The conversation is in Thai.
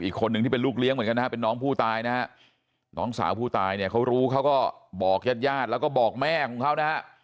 อีกคนนึงที่เป็นลูกเลี้ยงเหมือนกันนะฮะเป็นน้องผู้ตายนะฮะน้องสาวผู้ตายเนี่ยเขารู้เขาก็บอกญาติญาติแล้วก็บอกแม่ของเขานะฮะ